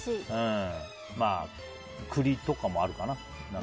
栗とかもあるかな。